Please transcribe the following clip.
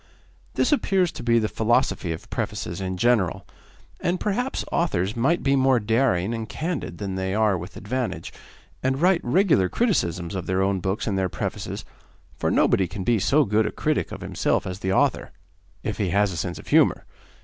This appears to be the philosophy of prefaces in general, and perhaps authors might be more daring and candid than they are with advantage, and write regular criticisms of their own books in their prefaces, for nobody can be so good a critic of himself as the author if he has a sense of humour.